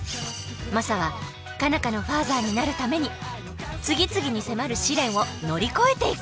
マサは佳奈花のファーザーになるために次々に迫る試練を乗り越えていく。